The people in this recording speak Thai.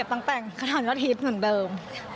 เก็บตั้งแต่งขนาดวันอาทิตย์เหมือนเดิม